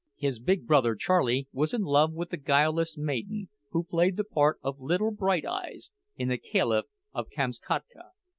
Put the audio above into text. His big brother Charlie was in love with the guileless maiden who played the part of "Little Bright Eyes" in "The Kaliph of Kamskatka."